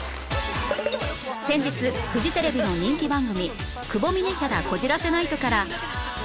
先日フジテレビの人気番組『久保みねヒャダこじらせナイト』から